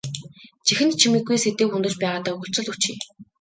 Чихэнд чимэггүй сэдэв хөндөж байгаадаа хүлцэл өчье.